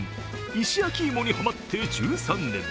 石焼き芋にハマって１３年。